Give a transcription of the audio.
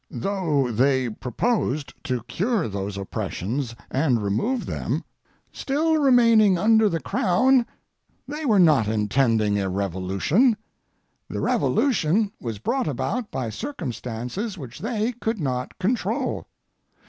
Though they proposed to cure those oppressions and remove them, still remaining under the Crown, they were not intending a revolution. The revolution was brought about by circumstances which they could not control.